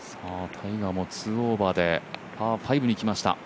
タイガーも２オーバーでパー５に来ました。